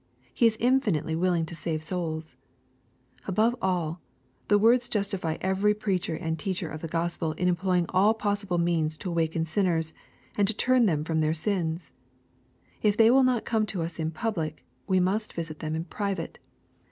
He is infinitely willing to save souls. — Above all, the words justify every preacher and teacher of the Gospel in employing all possible means to awaken sinners, and turn them from their sins. If they will not come to us in public, we must visit them in private.